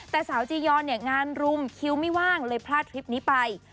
แต่สาวจียอนเนี่ยงานรุมคิวไม่ว่างเลยพลาดทริปนี้ไป